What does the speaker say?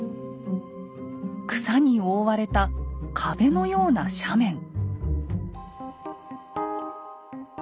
草に覆われた壁のような斜面。